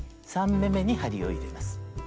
３目めに針を入れます。